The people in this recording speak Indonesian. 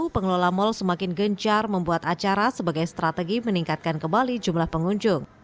pengelola mal semakin gencar membuat acara sebagai strategi meningkatkan kembali jumlah pengunjung